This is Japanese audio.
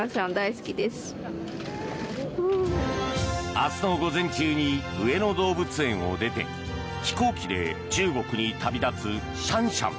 明日の午前中に上野動物園を出て飛行機で中国に旅立つシャンシャン。